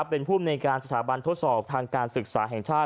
เป็นภูมิในการสถาบันทดสอบทางการศึกษาแห่งชาติ